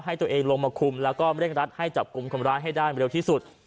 ให้ตัวเองลงมาคุมแล้วก็เร่งรัดให้จับกลุ่มคนร้ายให้ได้เร็วที่สุด